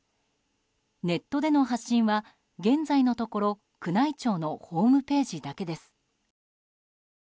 ネットでの発信は、現在のところ宮内庁のホームページだけです。